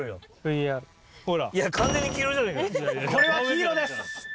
これは黄色です。